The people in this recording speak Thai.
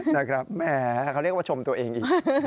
แหมเขาเรียกว่าชมตัวเองอีก